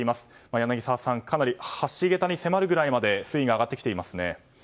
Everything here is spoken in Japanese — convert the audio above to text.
柳澤さん、かなり橋げたに迫るぐらいまで水位が上がってきていますね。